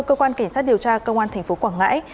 cơ quan cảnh sát điều tra công an tp quảng ngãi